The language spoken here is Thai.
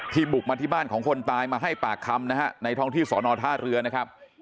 บุกมาที่บ้านของคนตายมาให้ปากคำนะฮะในท้องที่สอนอท่าเรือนะครับ